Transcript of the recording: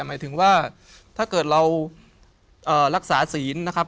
หมายถึงว่าถ้าเกิดเรารักษาศีลนะครับ